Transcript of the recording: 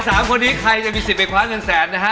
เอาล่ะใน๓คนนี้ใครจะมี๑๐แบคคลาสนึงแสนนะฮะ